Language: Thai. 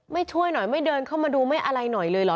ช่วยหน่อยไม่เดินเข้ามาดูไม่อะไรหน่อยเลยเหรอ